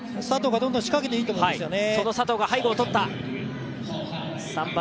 佐藤がどんどん仕掛けていいと思うんですよね。